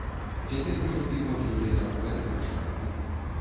Цяпер ужо піва п'ю летам, калі хачу.